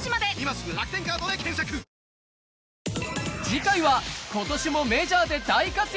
次回は今年もメジャーで大活躍